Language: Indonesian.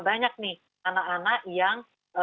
banyak nih anak anak yang belum kejar